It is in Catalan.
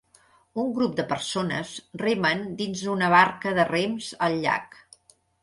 Un grup de persones remen dins una barca de rems al llac.